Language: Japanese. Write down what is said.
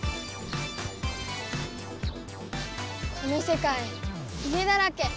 このせかいひげだらけ！